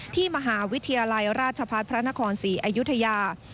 ที่มหาวิทยาลัยราชพัฒน์พระนครศรีอยุธยา